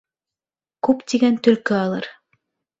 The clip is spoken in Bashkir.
Күп тигән төлкө алыр